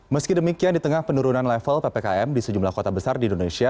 meski demikian di tengah penurunan level ppkm di sejumlah kota besar di indonesia